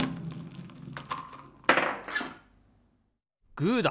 グーだ！